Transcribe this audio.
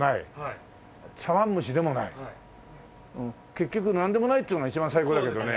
結局なんでもないっていうのが一番最高だけどね。